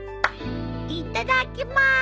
いっただきまーす！